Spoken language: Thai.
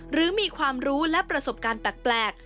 หรือมีความรู้และประสบการณ์แปลก